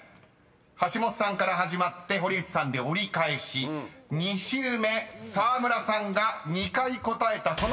橋本さんから始まって堀内さんで折り返し２周目沢村さんが２回答えたその瞬間